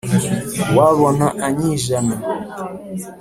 Uwabona anyijana